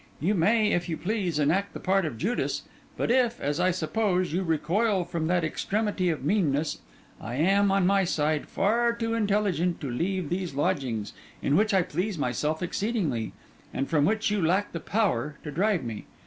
You may, if you please, enact the part of Judas; but if, as I suppose, you recoil from that extremity of meanness, I am, on my side, far too intelligent to leave these lodgings, in which I please myself exceedingly, and from which you lack the power to drive me.